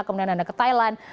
kemudian anda ke thailand